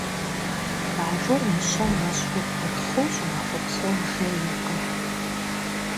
Бажэр мыщэм ещхьу пырхъыу щӏымахуэ псом жейркъым.